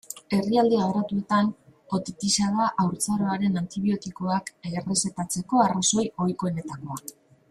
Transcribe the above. Herrialde garatuetan, otitisa da haurtzaroan antibiotikoak errezetatzeko arrazoi ohikoenetakoa.